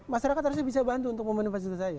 masyarakat harusnya bisa bantu untuk memenuhi fasilitas saya